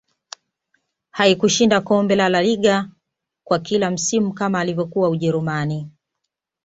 haikushinda kombe lalaliga kwa kila msimu kama alivyokuwa ujerumani